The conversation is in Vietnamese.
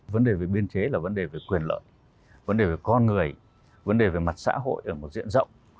vấn đề về biên chế là vấn đề về quyền lợi vấn đề về con người vấn đề về mặt xã hội ở một diện rộng